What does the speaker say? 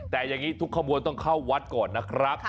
แต่อย่างนี้ทุกขบวนต้องเข้าวัดก่อนนะครับ